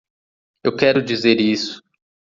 Eu quero dizer isso.